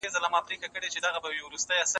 مصرف مې د ورځې له مخې دی.